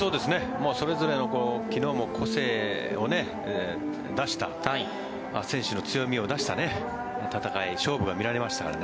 それぞれの昨日も個性を出した選手の強みを出した戦い、勝負が見られましたからね。